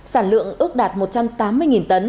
sản lượng ước đạt một trăm tám mươi tấn